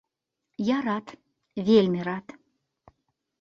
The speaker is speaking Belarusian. Я рад, вельмі рад.